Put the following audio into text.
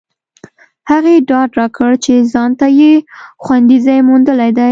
هغې ډاډ راکړ چې ځانته یې خوندي ځای موندلی دی